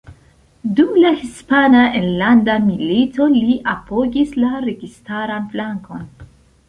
Dum la Hispana Enlanda Milito li apogis la registaran flankon.